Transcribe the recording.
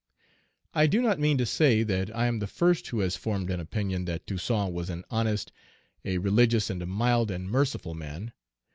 I do not mean to say that I am the first who has formed an opinion that Toussaint was an honest, a religious, and a mild and merciful man.